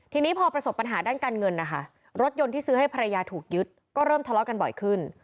ทีนี้พอประสบปัญหาด้านการเงินนะคะรถยนต์ที่ซื้อให้ภรรยาถูกยึดก็เริ่มทะเลาะกันบ่อยขึ้น